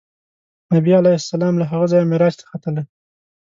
نبي علیه السلام له هغه ځایه معراج ته ختلی.